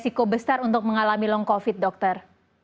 jadi apa yang beresiko besar untuk mengalami long covid dokter